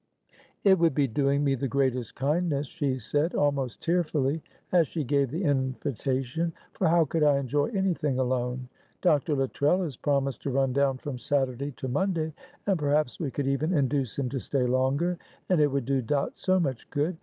"It would be doing me the greatest kindness," she said almost tearfully as she gave the invitation, "for how could I enjoy anything alone? Dr. Luttrell has promised to run down from Saturday to Monday, and perhaps we could even induce him to stay longer, and it would do Dot so much good."